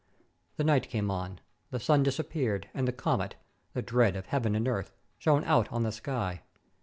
The night came on; the sun disappeared, and the comet — the dread of heaven and earth — shone out on the sky.